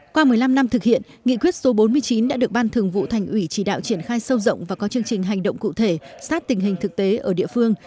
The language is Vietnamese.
qua một mươi năm năm thực hiện nghị quyết số bốn mươi chín đã được ban thường vụ thành ủy chỉ đạo triển khai sâu rộng và có chương trình hành động cụ thể sát tình hình thực tế ở địa phương